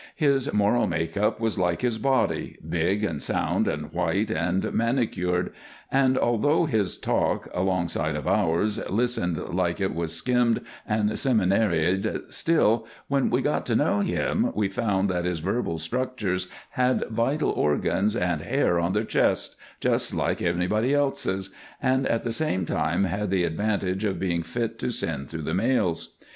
His moral make up was like his body, big and sound and white and manicured, and although his talk, alongside of ours, listened like it was skimmed and seminaried, still when we got to know him we found that his verbal structures had vital organs and hair on their chests just like anybody else's, and at the same time had the advantage of being fit to send through the mails.